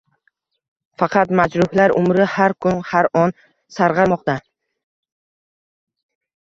Faqat majruhlar umri har kun, har on sargʻarmoqda